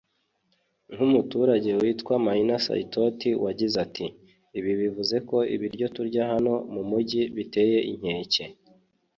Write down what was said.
nk’umuturage witwa Maina Saitoti wagize ati “Ibi bivuze ko ibiryo turya hano mu mujyi biteye inkeke